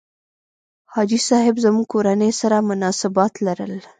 حاجي صاحب زموږ کورنۍ سره مناسبات لرل.